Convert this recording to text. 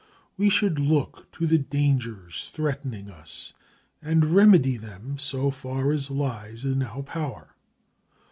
We should look to the dangers threatening us, and remedy them so far as lies in our power.